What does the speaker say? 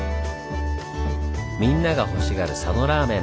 みんながほしがる佐野らーめん。